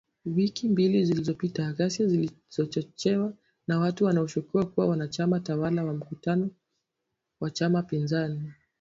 Wiki mbili zilizopita, ghasia zilizochochewa na watu wanaoshukiwa kuwa wa chama tawala kwenye mkutano wa chama pinzani